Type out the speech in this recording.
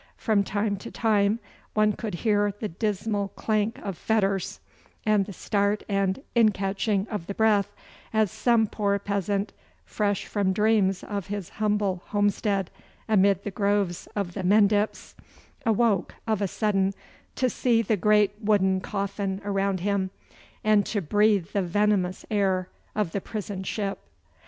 From time to time one could hear the dismal clank of fetters, and the start and incatching of the breath, as some poor peasant, fresh from dreams of his humble homestead amid the groves of the Mendips, awoke of a sudden to see the great wooden coffin around him, and to breathe the venomous air of the prison ship.